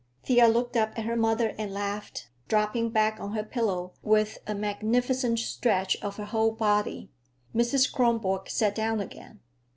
Thea looked up at her mother and laughed, dropping back on her pillow with a magnificent stretch of her whole body. Mrs. Kronborg sat down again.